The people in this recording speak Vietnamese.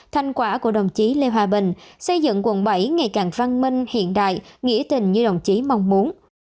thành quả của đồng chí lê hòa bình xây dựng quận bảy ngày càng văn minh hiện đại nghĩa tình như đồng chí mong muốn